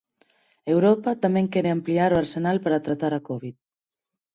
Europa tamén quere ampliar o arsenal para tratar a Covid.